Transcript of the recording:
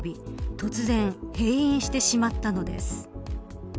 突然、閉院してしまったのです。